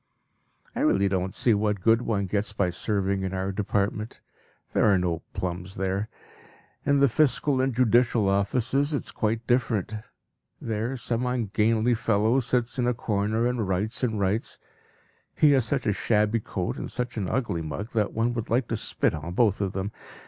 I really don't see what good one gets by serving in our department. There are no plums there. In the fiscal and judicial offices it is quite different. There some ungainly fellow sits in a corner and writes and writes; he has such a shabby coat and such an ugly mug that one would like to spit on both of them.